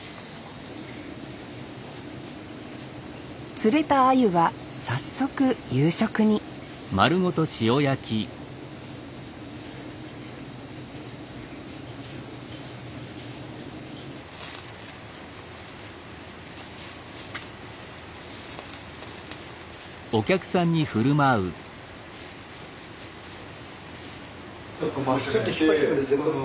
釣れたアユは早速夕食にちょっと引っ張って下さいここ。